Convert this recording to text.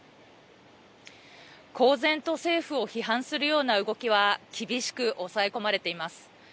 公然と政府を批判するような動きは厳しく抑え込まれています。